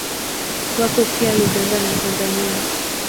Wako pia Uganda na Tanzania.